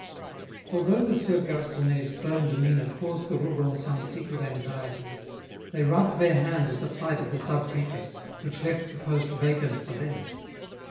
Although Monsieur Garconnet's firm demeanour caused the Rougons some secret anxiety, they rubbed their hands at the flight of the sub prefect, which left the post vacant for them.